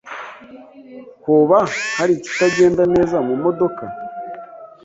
Hoba hari ikitagenda neza mumodoka?